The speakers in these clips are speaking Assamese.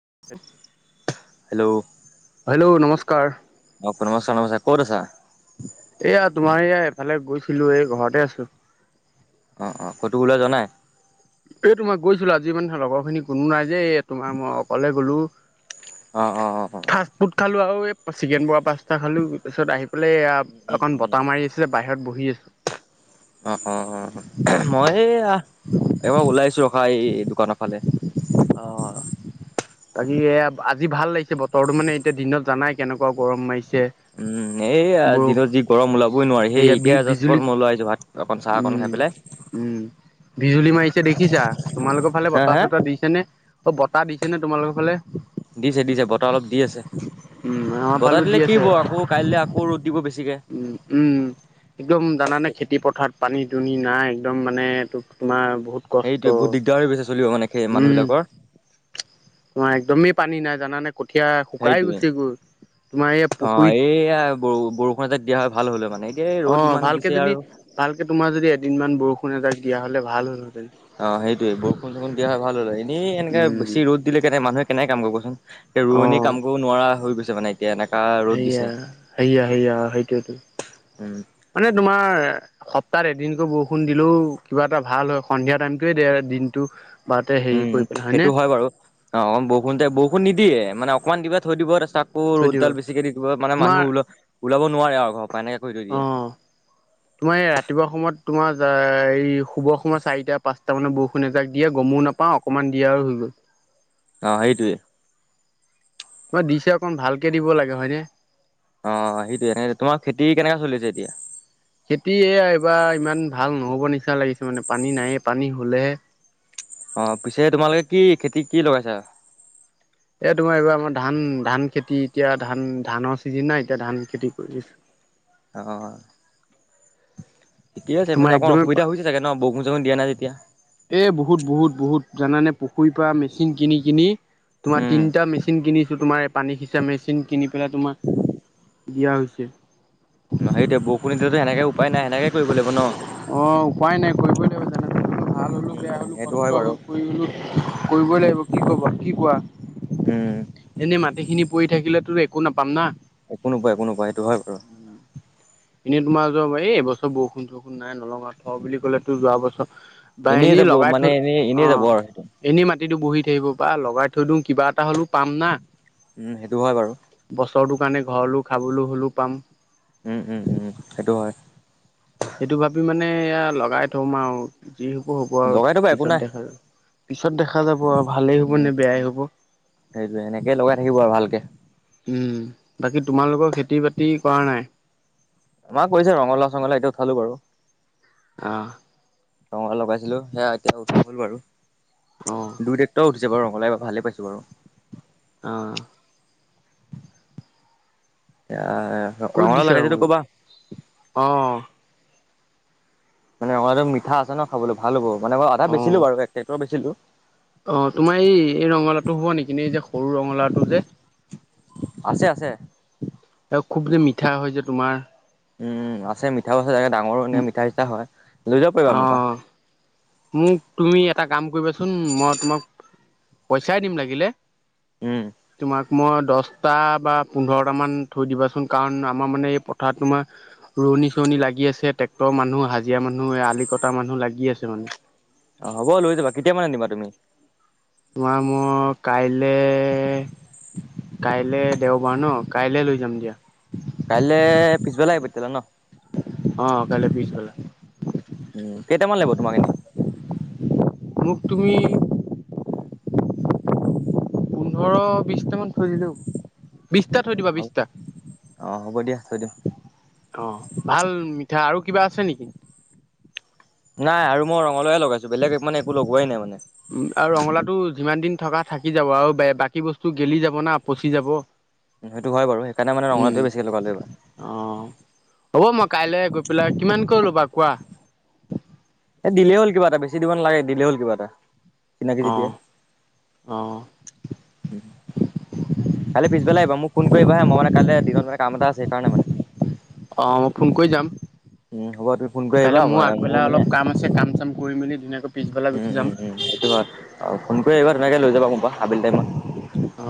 [unintelligible] হেল্ল' হেল্ল' নমস্কাৰ। অ, নমস্কাৰ, নমস্কাৰ। ক'ত আছা? এয়া তোমাৰ এইয়া এফালে গৈছিলো এই ঘৰতে আছো। অ-অ ক'তো ওলাই যোৱা নাই? এ তোমাৰ গৈছিলো আজি মানে লগৰ খিনি কোনো নাই যে এ তোমাৰ মই অকলে গ'লো। অ অ অ অ ফাষ্টফুড খালো আৰু এই চিকেন বৰা পাস্তা খালো। তাপিছত আহি বোলে এয়া অকন বতাহ মাৰি আছে বাহিৰত বহি আ অ-অ-অ-অ মই এইয়া এ অ, ওলাইছো ৰখা এই দোকানৰ ফালে। বাকি এ আজি ভাল লাগিছে বতৰটো। মানে এতিয়া দিনত জানাই কেনেকুৱা গৰম মাৰিছে। উম, এই বৌ দিনত যি গৰম ওলাবই নোৱাৰি। সেই সেয়া বি এতিয়া জাচ বিজুলী মই ওলাই আহিছোঁ, ভাত অকণ চাহ অকন উম খাই। পেলাই উম বিজুলী মাৰি ছে দেখিছা। তোমালোকৰ ফালে হা বতাহ হা চতাহ দিছে নে? অ বতাহ দিছে নে তোমালোকৰ ফালে? দিছে, দিছে বতাহ অলপ দি আছে। উম আমাৰ বতাহ ফালো দি দিলে কি আছে হব, আকৌ কাইলৈ আকৌ ৰ'দ দিব বেছিকে। উঁম একদম জানানে খেতি পথাৰ পানী না একদম মানে তোক তোমাৰ বহুত কষ্ট সেইটোৱে বহুত দিগদাৰ হৈ গৈছে চলিব এনেকে সেই উম মানুহবিলাকৰ। তোমাৰ একদমেই পানী নাই জানানে? কঠীয়া শুকাই সেইটোৱে গৈছে গৈ, তোমাৰ এই অ পুখুৰীত এইয়া ব বৰষুণ এজাক দিয়া হয় ভাল হ'লে মানে। এতিয়া অ, ৰ'দ ইমান ভালকে দিছে যদি আৰু ভালকে তোমাৰ যদি এদিন মান বৰষুণ এজাক দিয়া হলে ভাল হ'ল অ, সেইটোৱে। বৰষুণ চৰষুণ দিয়া হয় ভাল হ'ল হয়। এনেই এনেকে উম বেছি ৰ'দ দিলে কেনে মানুহে কেনেকে কাম কৰিব কচোন। এ অ ৰোৱনি কাম কৰিব নোৱাৰা হৈ গৈছে মানে। এতিয়া এনেকা ৰ'দ দিছে সেয়া, সেয়া, সেয়া। সেইটোৱেটো উম মানে তোমাৰ সপ্তাহত এদিনকৈ বৰষুণ দিলেও কিবা এটা ভাল হয়। সন্ধিয়া টাইমটোৱে দে আৰু দিনটো। বাৰতে হেৰি উম, কৰি পেলাই হয়নে সেইটো হয় বাৰু। অ বৰষুণতে বৰষুণ নিদিয়ে মানে অকণমান কিবা থৈ দিব। তাৰপি তাকো থৈ দিব ৰ'দডাল বেছিকে দি দিব। মানে তোমাৰ মানুহ ওলাব নোৱাৰে আৰু ঘৰৰ পৰা এনেকে কৰি থৈ অ, দিয়ে তোমাৰ এই ৰাতিপুৱাৰ সময়ত তোমাৰ এই শুবৰ সময়ত চাৰিটা, পাঁচটা মানত বৰষুণ এজাক দিয়ে। গমো নাপাওঁ অকণমান দিয়া আৰু হৈ গ'ল। [inaudible] অ সেইটোৱে। অ, দিছে অকণ ভালকে দিব লাগে হয়নে? অ, সেইটোৱে, তোমাৰ খেতি কেনে চলি আছে এতিয়া? খেতি এইয়া এইবাৰ ইমান ভাল নহ'ব নিচিনা লাগিছে। মানে পানী নাইয়ে পানী হ'লেহে। অ, পিছে তোমালোকে কি খেতি কি লগাইছা? এ তোমাৰ এইবাৰ আমাৰ ধান ধান খেতি এতিয়া ধান ধানৰ চিজেন না, এতিয়া ধান খেতি কৰি দিছোঁ। অ, ঠিকে আছে তোমাৰ মানে অকণ একদমেই অসুবিধা হৈছে চাগে ন বৰ ৰষুণ দিয়া নাই যেতিয়া। এ বহুত বহুত বহুত জানানে পুখুৰীৰ পৰা মেচিন কিনি কিনি তোমাৰ উম তিনিটা মেচিন কিনিছো তোমাৰ এই পানী সিচা মেচিন কিনি পেলাই তোমাৰ দিয়া হৈছে। নহয় এতিয়া বৰষুণ‌ দিছে যে এনেকে উপায় নাই এনেকে কৰিব লাগিব ন! অঁ উপায় নাই কৰিবই লাগিব জেনে তেনে। ভাল হলো উম বেয়া হলো সেইটো কষ্ট হয় বাৰু হৈ পৰিলোঁ কৰিবই লাগিব। কি ক'ব কি কোৱা উম এনেই মাটিখিনি পৰি থাকিলেতো একো নাপাম না। একো নোপোৱা একো নোপোৱা সেইটো হয় বাৰু এনেই তোমাৰ এই বছৰ বৰষুণ চৰষুণ নাই নলং আও থ বুলি ক'লে তো যোৱা বছৰ বা এনেই এনে যাব লগাই মানে থৈ এনেই এনেই অঁ যাব আৰু সেইটো এনে মাটি ৰাতিটো বহি থাকিব বা লগাই থৈ দিওঁ কিবা এটা হলেও পাম না। উম সেইটো হয় বাৰু বছৰটো কাৰণে ঘৰলো খাবলৈ হ'লেও পাম। উঁম উঁম উঁম সেইটো হয়। সেইটো ভাবি মানে এয়া লগাই থম আও। যি হ'ব হ'ব আৰু লগাই থবা একো পিছত নাই দেখা যাব পিছত দেখা যাব আৰু ভালেই হ'ব নে বেয়াই হ'ব। সেইটোয়ে এনেকেই লগাই থাকিব আৰু ভালকে। উঁম! বাকী তোমালোকৰ খেতি-বাতি কৰা নাই? আমাৰ কৰিছে ৰঙালাও চঙলাও এতিয়া উঠালো বাৰু। আহ। ৰঙালাও লগাইছিলো সেয়া এতিয়া উঠি গ'ল বাৰু অ দুই টেক্টৰ উঠিল এইবাৰ ৰঙলাও ভালেই পাইছো বাৰু। অঁ এতিয়া ৰঙালাও লাগে যদি ক'বা। অ মানে ৰঙালাও মিঠা আছে ন খাবলৈ ভাল হ'ব মানে আধা বেছিলো বাৰু একটেক্টৰ বেছিলো। অঁ তোমাৰ এই এই ৰঙালাওটো হ'ব নেকি নে এই যে সৰু ৰঙালাওটো যে। আছে আছে। খুব যে মিঠা হয় যে তোমাৰ। উম আছে মিঠা বছে চে ডাঙৰো এনেকে মিঠা চিঠা হয়। লৈ যাব পাৰিবা অ মোৰ পৰা মোক তুমি এটা কাম কৰিবাচোন মই তোমাক পইচাই দিম লাগিলে। উম। তোমাক মই দহটা বা পোন্ধৰট মান থৈ দিবাচোন কাৰণ আমাৰ মানে এই পথাৰটো মাৰ চুৰণি চুৰণনি লাগি আছে ট্ৰেক্টৰ মানুহ হাজিৰা মানুহ আলি কটা মানুহ লাগি আছে মানে অ হ'ব লৈ যাবা কেতিয়া মান আনিবা তুমি? তোমাৰ মোৰ কাইলে কাইলে দেওবাৰ ন কাইলে লৈ যাম দিয়া। কাইলে পিছবেলা আহিবতিলা ন। অ কাইলে পিছবেলা ন। উম কেইটামান লাগিব তোমাক এনে মোক তুমি। পোন্ধৰ বিশট থৈ দিলো বিশটা থৈ দিবা হ'ব বিশটা। অ হ'ব দিয়া থৈ দিম অ ভাল মিঠা আৰু কিবা আছে নেকি? নাই আৰু মই ৰঙালাও হে লগাইছো বেলেগ ইমান একো লগোৱাই নাই। উ আৰু ৰঙলাটো যিমান দিন থকা থাকি যাব আৰু বাকী বস্তু গেলি যাব না পচি যাব। সেইটো হয় বাৰু সেইকাৰণে মানে উম ৰঙালাউটো বেছিকে লগালোঁ এই বাৰ। পলাক কিমান কৈ ৰ'বা কোৱা? এই দিলেই হ'ল কিবা এটা বেছি দিব ন লাগে দিলে হ'ল কিবা এটা। চিনাকি যেতিয়াই আহঁ অঁ। কালি পিছবেলা আহিবা মোক ফোন কৰিবা হে মই মানে কাইিৰ দিনত মানে কাম এটা আছে, সেইকাৰে মানে। অঁ মই ফোন কৰি যাম। উম হ'ব তুমি ফোন কৰি আহিবা কাইলৈ মোৰ আগবেলা মানে অলপ কাম আছে কাম চাম কৰি মেলি। ধুনীয়াকৈ পিছবেলা উম গুচি যাম উম উম সেইটো হয় আৰু ফোন কৰি আহিবা তেনেকে লৈ যাবা গোম পা আবেলি টাইমত। [unintelligible] অ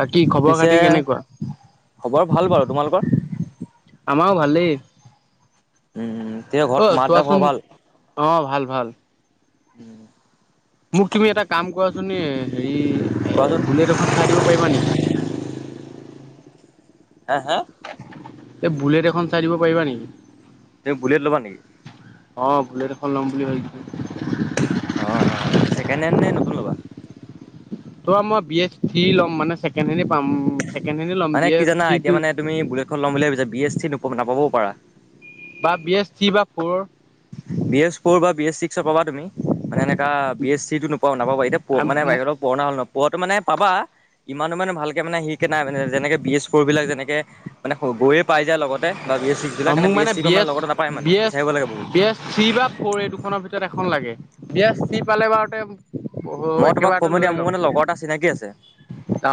বাকী খবৰ পিছে খাতি কেনেকুৱা? খবৰ ভাল বাৰু তোমালোকৰ আমাৰও ভালেই। উম তে অ ঘৰত মাৰ দেতা খবৰ চোৱাচোন ভাল অ ভাল ভাল উ। মোক তুমি এটা কাম কৰা চুন এ হেৰি এ কোৱাচোন বুলেট এখন চাই দিব পাৰিবা নেকি? [unintelligible] হা হা এই বুলেট এখন চাই দিব পাৰিবা নেকি? তুমি বুলেট ল'বা নেকি? অ বুলেড এখন ল'ম বুলি ভাবিছো। অ অছেকেণ্ড হেড নে নতুন ল'বা? ত মই বি এ থ লম মানেকে হে পাম। ছেকেণ্ড হেণ্ডে ল'ম মানে বি কি এছ জানা থ্ৰী এতিয়া টু মানে তুমি বুলটখন ল'ম বুলি ভাবিছা বি এছ চি নাপাবও পাৰা। বা বি এছ থি বা ফ'ৰ। বি এছ ফ'ৰ বা বি এছ চিকসৰ পাবা তুমি মানে এনেকে, এ বি এছ চি নোপোৱা নাপাব এতিয়া মানে বাহিৰত পুৰ হল ন পঢ়নাটো মানে পাবা। ইমানো মানে ভালকে মানে সিকে নাই মানে যেনেকে বি এছ ফৰ' বিলাক যেনেকে মানে গৈয়ে পাই যায় লগত। বা বি এছ চিবাক এে বি এছি মানে লগত নাপায় মানে বিচাৰিব লাগে বহুত। থি বা ফ'ৰ এই দুখনৰ ভিতৰত এখন লাগে, এয়া চি পালে বাৰুতে মই তোমাক একেবাৰতে ক'ব দিয়া লৈ মোৰ ল'ম মানে লগৰ এটা চিনাকি আছে। অ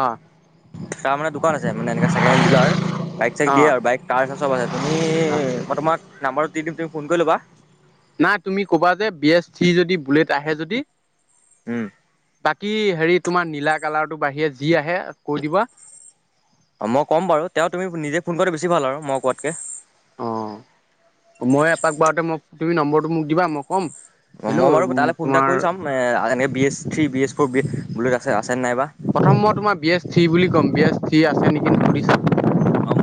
তাৰ মানে দোকান আছে মানে এনে চেকেণ্ড হেণ্ড ডিলাৰ বাইক চাইক অ দিয়ে আৰু বাইক কাৰ চ চব আছে। তুমি অ মই তোমাক নাম্বাৰটো দি দিম তুমি ফোন কৰি ল'বা। নাই তুমি কবা যে বি এ থি যদি বুলেট আহে যদি উম বাকী হেৰি তোমাৰ নীলা, কালাৰটো বাঢ়িৰে যি আহে কৈ দিবা। অ মই ক'ম বাৰু তেওঁ তুমি নিজে ফোন কৰি বেছি ভাল আৰু মই কোৱাতকে। অ মই এপাক বাৰুতে মই তুমি নম্বৰটো মোক দিবা মই ক'ম অ মই বাৰু তালৈ হেল্ল' ফোন এটা তোমাৰ কৰি চাম এ এনেকে B S three B S four B বলে আছে আছে নাইবা প্ৰথম মই তোমাৰ বি এছ থ্ৰী বুলি কম বি এছ থ্ৰী আছে নেকি সুধি চাম।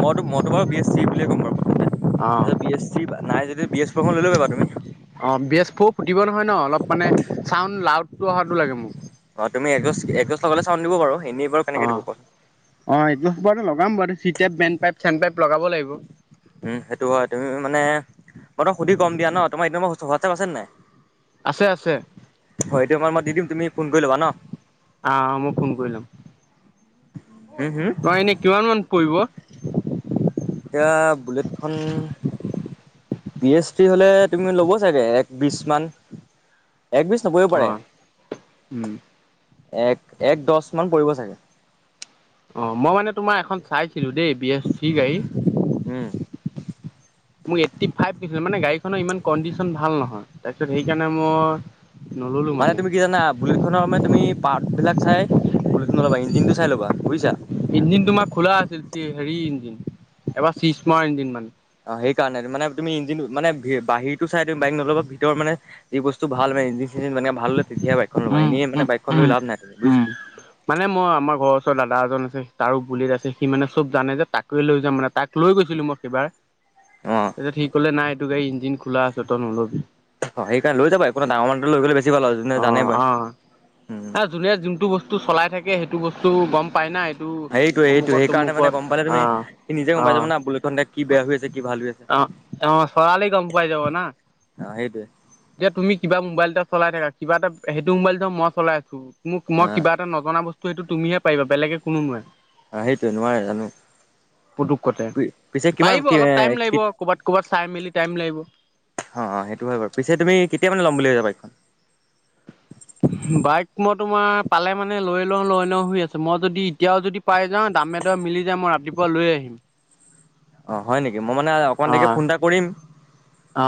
মইতো মইতো বাৰু বি এছ চি বুলিয়ে ক'ম বাৰু প্ৰথমতে। অ' বি এছ চি নাই যতি বি এছ ফ'ৰখন লৈ ল'বা বাৰু তুমি। অ বি এছ ফ' ফুটিব নহয় ন অলপ মানে চাউড লাউড টো অহাতো লাগে মোক অ তুমি একজষ্ট একজষ্ট লগালে চাউণ্ড দিব বাৰু এনেই বাৰ কেনেকে দিব অ' কোৱাচোন অ' এইটো লগাম বাৰু চি টাইপ বেণ্ড পাইপ চেড পাইপ লগাব লাগিব উম সেইটো হয় তুমি মানে মই তোক সুধি গম দিয় ন তোম একদমাৰ হোৱাছআপ আছে নাই আছে আছে হয় দে মাৰ মই দি দিম তুমি ফোন কৰি ল'বা ন আহ মই ফোন কৰিলাম হুম হুম তই এনে কিমান মান পৰিব এতিয়া বুলেটখন পি এইচটি হলে তুমি ল'ব চাগে এক বিশ মান এক বি নপৰিব পাৰে উম এক এক দহ মান পৰিব থাকে অ মই মানে তোমাৰ এখন চাইছিলো দেই বি এছ চি গাড়ী উম মোক এইটটি ফাইভ দিছিলে মানে গাড়ীখনৰ ইমান কণ্ডিশন ভাল নহয় তাৰপি সেইকাৰণে মোৰ মানে তুমি কি জানা বুলেটনৰ সময় তুমি পাৰ্ট বিলাক চাই পলটো নলব ইঞ্জিনটো চাই ল'বা বুইছা ইঞ্জিন তোমাৰ খোলা আছিল হেৰি ইঞ্জিন এবাৰ চি্মাৰ ইঞ্জিন মানে অ সেই কাৰণে মানে তুমিঞ্জিন মানে বাহিৰতো চাই তুমি বাইক নলবা ভিতৰ মানে যি বস্তু ভাল মানে ইঞ্িন মানে ভাল লয় তেতিাহ বাইখন লব উম এনে উম মানে বাইকখন উম লাভ নাই উম বুজিছা মানে মই আমাৰ ঘৰওচৰ দা এজন আছে তাৰো বুলিত আছে সি মানে চব জানে যে তাকে লৈ যাম মানে তাক লৈ লৈ গৈছিলো মই সেইবাৰ অ তাৰপিছত সি কলে নাই এইটো গাড়ী ইঞ্জিন খোলা আছে তই নলবি হয় সেইকাৰণ লৈ যাবা একোনাই ডাঙৰ মানুহটো লৈ গলে বেছি ভাল আৰু যোনে অ জানে বাইক। অ উম ন যোনে যোনটো বস্তু চলাই থাকে সেইটো বস্তু গম পাই নাই সেইটোয়ে সেইটো সেই কাৰণে মানে গম পালে অ তুমি সি নিজে গম অ পাই যাব না বুলেট খন এতিয়া কি বেয়া আছে কি ভাল হৈ আছে অ অ চলালে গম পাই যাব না। অ সেইটোৱে যে তুমি কিবা মোবাইল এটা চলাই থাকা কিবা এটা সেইটো মোবাইলটো মই চলাই আছো মোক অ মই কিবা এটা নজনা বস্তু ত এইটো তুমি হে পৰিবা বেলেগে কোনো নোৱাৰে। অ সেইটোৱে নোৱাৰে জানো। পুতুক কতে পিছে কিমান পাৰিব কি অ অলপ টাইম লাগিব অ কৰ'ৰবাত ক'বাত চাই মেলি টাইম লাগিব। অ অ সেইটো হয় বাৰু পিছে তুমি কেতিয়া মানে ল'ম বুলি ভাবিছা বাইকখন। মই বাইক তোমাৰ পালে মানে লৈ লওঁ লৈ ল হৈ আছোঁ মই যদি এতিয়াও যদি পাই যাওঁ দামে দৰ মিলি যাই মই ৰাতিপুৱা লৈ আহিম। অ হয় নেকি মই মানে অকণমন অ দেৰীকে ফোন এটা কৰিম। অ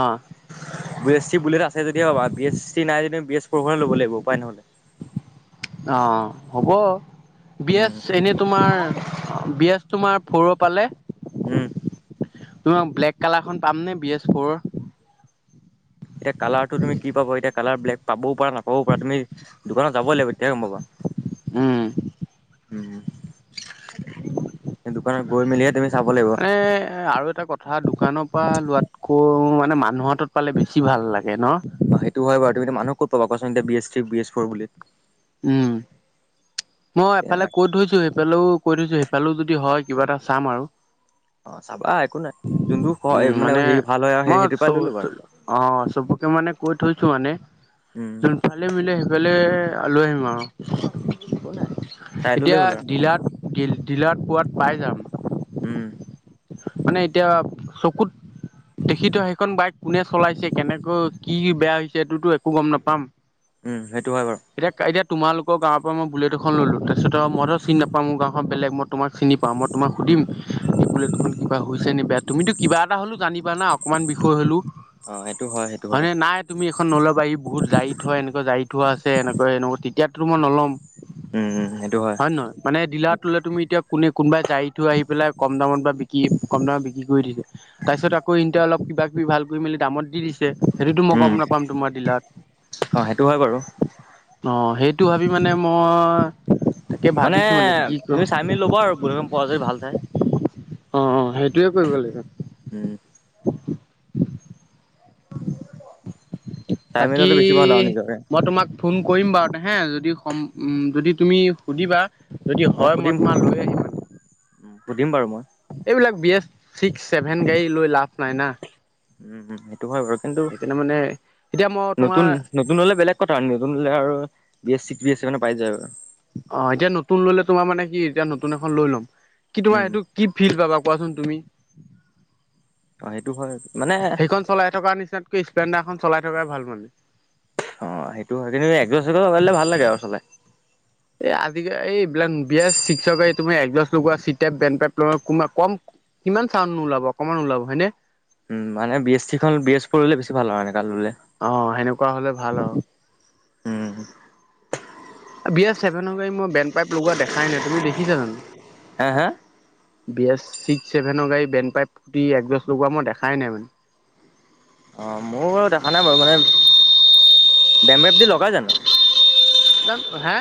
বি এছ চি বুলেত আছে যদি পাবা বিছ চি নাই বি এছ ফৰ লব লাগিব উপায় নহলে। অ হ'ব। বি এছ উম এনে তোমাৰ বিজ তোমাৰ ফৰ পালে উম। তোমাক ব্লেক কালাৰখন পাম নে বি এছ ফৰৰ এতিয়া কালাৰ টো তুমি কি পাব এতিয়া কালাৰ ব্লেক পাবও পৰা নাপ বও পাৰা তুমি দোকানত যাবই লাগিব তেতিয়াই গম পাবা উম উম দোকানৰ মানে আৰু এটা কথা দোকানৰ পৰা লোৱাতকৈ মানে মানুহত পালে বেছি ভাল লাগে ন। আচলতে B S C B S four বুলি। উম, মই এতিয়া এফালে কতৈছো সেইফালেও। কৈ থৈছো সেইফালেও যদি হয় কিবা এটা চাম আৰু। অ চাবা একো নাই যোনটো উম, মানে হেৰি ভাল হয় আৰু মই সেইটোৰ চ পৰা লৈ ল'বা আৰু অ চব তাকে মানে কৈ থৈছো মানে উম যোনফালে মিলে সেইফালে আলৈ আহিম আৰু একোনাই। এতিয়া ডিলাৰত ডিলাৰত পোৱাত পাই উম যাম। মানে এতিয়া চকুত দেখিতো সেইখন বাইক কোনে চলাইছে কেনেকৈ কি বেয়া হৈছে সেইটোতো একো গম নাপাম। উম, সেইটো হয় বাৰু। এতিয়া এতিয়া তোমালোকৰ গাৱৰ পৰা মই বুলেত এখন ললো তাৰপিছত মইত চিন নাপাওঁ গাঁওখন বেলে ম তোমাৰ। চিনি পাওঁ মই তোমাক উম সুধিম সেই বোলে। কিবা হৈছে নে বে তুমিতো কিবা এটা হ'লেও জানিবা অকণমান বিষয় হলো। অ, এইটো হয়। সেইটো হয় হয়নে নাই তুমি এখন নলা বাৰী বহুত জাৰি থোৱা এনেকুৱা জাৰি থোৱা আছে এনেকুৱ এনেকুৱা তেতিয়া মই নল'ম। উম, উম। হয় নে নহয় মানে ডিলা টোলে তুমি এতিয়া কোনে কোনবাই যাৰাই থৈ আহি পেলাই কম দামত বা বিকি কম দামত বিক্ৰী কৰি দিছে তাৰপিছত আকৌ এ অলপ কিবা কিবি ভাল কৰি মেলি দামত দি দিছে সেইটোতো মই গম উম নাপাম তোমাৰ দিলাত। অ সেইটো হয় বাৰু অ, সেইটো ভাবি মানে মই তাকে মানে ভাবিছো কি ক তুমি চাই মেলি ল'বা আৰু বধ প় যদি ভাল চাই। সেইটোৱে উম কৰিব লাগিব। হয়। বাকী আৰু নিজৰে মই তোমাক ফোন কৰিম বাৰু হে যদি যদি তুমি সুধিবা যদি হয় সুধিম মই সুধিম তোমাৰ লৈ আহিম। সুধিম বাৰু মই। এইবলাক বি এছ চিক্স চছেভেন গাড়ী লৈ লাভ নাই না। উম, উম, উম। সটো হয় বাৰ কিন্তু সেইকাৰণে মানে এতিয়া মই তোমাৰ নতুন নতুন হলে বেলেগ কথা নতুন হলে আৰু। B S six B S C মানে পাই যায়। অ, এতিয়া নতুন লৈলে তোমাৰ মানে কি এতিয়া নতুন এখন লৈ ল'ম কি তোমাৰ উম সেইটো কি ফিল পাবা। কোৱাচোন তুমি? অ সেইটো হয় মানে সেইখন চলাই থকাৰ নিচিনাতকে স্প্লেণ্ডাৰখন চলাই থকাই ভাল। াল [unintelligible] অ, সেইটো হয়। কিন্তু একজছে ভাল লাগে আৰু চলাই। এ আজি এইবিলাক বি চিক তুমি এজ লগোৱাপ বেপ কম কিমান চাউণ্ নোলাব অকমান ওলাব হয়নে। উম, মানে বি এছ চি খখন বি এছ চিঢ়লে বেছি ভাল হয় মানে। অ, সেনেকুৱা হলে ভাল আৰু। উম। বি এছ চছেভেনৰ গাড় মই বেণ্ড পাইপ লগোৱা দেখাই নাই তুমি দেখছা জানো? হা, হা। বি, এছ ছিক্স চছেভেনৰ গাড়ী বেণ্ড পাইপ ফুৰ্তি একডছ লগোৱা মই দেখাই নাই মানে। অ, মোৰ বাৰু দেখা নাই বাৰু মানে বেম দি লগাই জানো? হে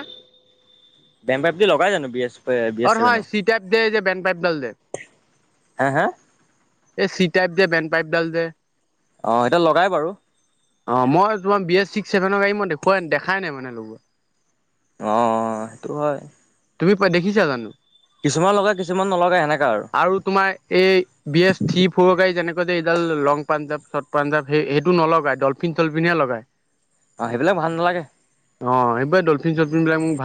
বেম বাইপ বুলি লগাই জানো? বি অ এছ হয় ছেভেনৰ চি টাইপ দে যে বেণ্ড পাইপডাল যে। হে হে এই চিটাইপ যে বেণ্ড পাইপ ডাল যে, অ সেইডাল লগাই বাৰু। অ মই তোমাৰ বি এ চিক্স ছেভেনৰ গাড়ী মই দেখুৱাই দেখাই নাই মানে [unintelligible] অঁ, সেইটো হয়। তুমি দেখিছা জানো কিছুমান লগাই কিছুমান নলগাই সেনেকা আৰু তোমাৰ এই বি এছ থ্ৰী ফৰৰ গাড়ী যেনেকে যে এইডাল লং পাঞ্জাৱ চৰ্ট পাঞ্জাৱ সেই সেইটো ন লগাই ডলফিন চলফিন হে লগাই [unintelligible] অ সেইবিলাক ভাল নালাগে অ এইবাৰ ডলফিন চলফিনিলাক মোক ভাল